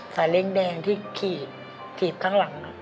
สาเล้งแดงที่ขีดขีดข้างหลัง